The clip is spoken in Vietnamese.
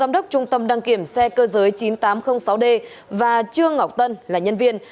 đăng kiểm xe cơ giới chín nghìn tám trăm linh sáu d và trương ngọc tân là nhân viên